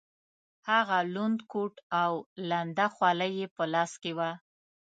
هغه لوند کوټ او لنده خولۍ یې په لاس کې وه.